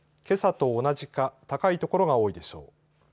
けさと同じか高い所が多いでしょう。